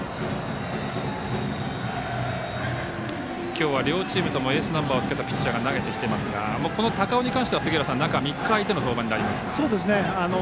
今日は両チームともエースナンバーをつけたピッチャーが投げてきていますがこの高尾に関しては中３日空いての登板になりますが。